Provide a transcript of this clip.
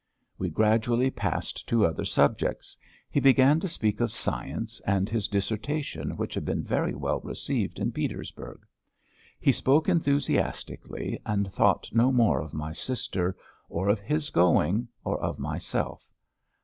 We gradually passed to other subjects. He began to speak of science and his dissertation which had been very well received in Petersburg. He spoke enthusiastically and thought no more of my sister, or of his going, or of myself.